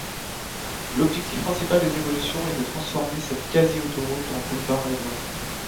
L'objectif principal des évolutions est de transformer cette quasi-autoroute en boulevard urbain.